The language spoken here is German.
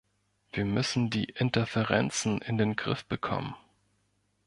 Wir müssen die Interferenzen in den Griff bekommen.